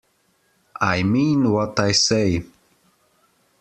I mean what I say.